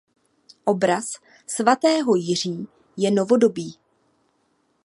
Obraz svatého Jiří je novodobý.